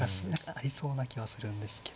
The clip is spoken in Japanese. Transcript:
ありそうな気はするんですけど。